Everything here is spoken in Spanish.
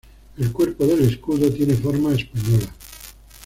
El cuerpo del escudo tiene forma española.